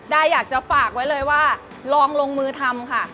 อยากจะฝากไว้เลยว่าลองลงมือทำค่ะ